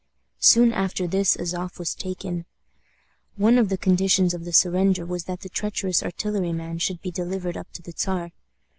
Soon after this Azof was taken. One of the conditions of the surrender was that the treacherous artilleryman should be delivered up to the Czar.